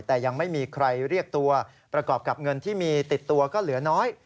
แต่ยังไม่มีใครเรียกตัวประกอบกับเงินที่มีติดตัวก็เหลือน้อย